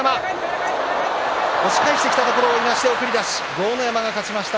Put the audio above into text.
豪ノ山が勝ちました